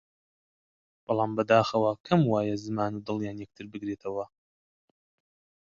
بەڵام بەداخەوە کەم وایە زمان و دڵیان یەکتر بگرێتەوە!